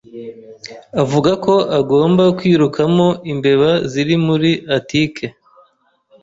Avuga ko agomba kwikuramo imbeba ziri muri atike.